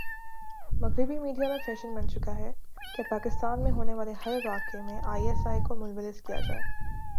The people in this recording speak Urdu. مغربی میڈیا میں فیشن بن چکا ہے کہ پاکستان میں ہونے والےہر واقعہ میں آئی ایس آئی کو ملوث کیا جاۓ